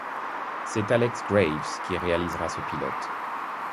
C'est Alex Graves qui réalisera ce pilote.